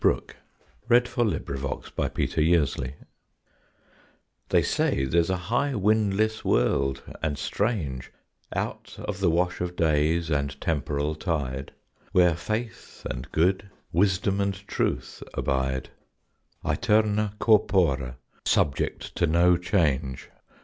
THE PACIFIC, October 1913 MUTABILITY They say there's a high windless world and strange, Out of the wash of days and temporal tide, Where Faith and Good, Wisdom and Truth abide, Æterna corpora, subject to no change.